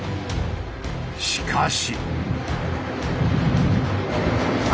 しかし。